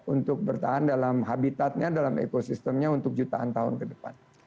untuk bertahan dalam habitatnya dalam ekosistemnya untuk jutaan tahun ke depan